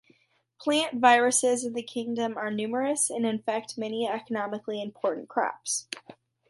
Plant viruses in the kingdom are numerous and infect many economically important crops.